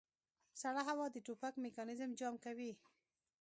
سړه هوا د ټوپک میکانیزم جام کوي